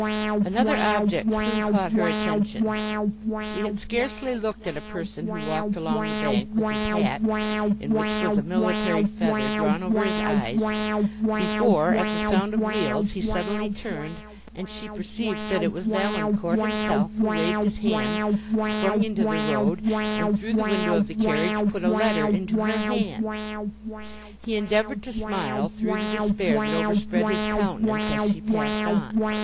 Another object soon caught her attention. She had scarcely looked at a person who walked along the bank, with his hat, in which was the military feather, drawn over his eyes, before, at the sound of wheels, he suddenly turned, and she perceived that it was Valancourt himself, who waved his hand, sprung into the road, and through the window of the carriage put a letter into her hand. He endeavoured to smile through the despair that overspread his countenance as she passed on.